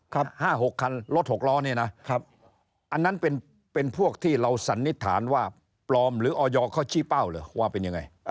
ครับ๕๖คันรถ๖ล้อเนี่ยนะอันนั้นเป็นพวกที่เราสันนิษฐานว่าปลอมหรือออยเขาชี้เป้าเหรอว่าเป็นยังไง